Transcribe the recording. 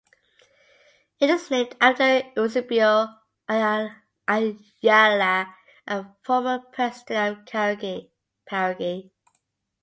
It is named after Eusebio Ayala, a former President of Paraguay.